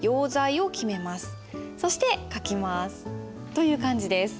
という感じです。